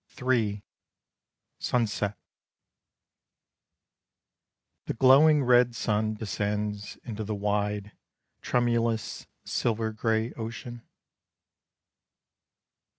III. SUNSET. The glowing red sun descends Into the wide, tremulous Silver gray ocean.